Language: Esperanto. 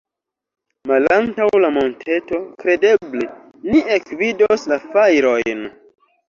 Malantaŭ la monteto, kredeble, ni ekvidos la fajrojn.